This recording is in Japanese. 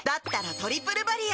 「トリプルバリア」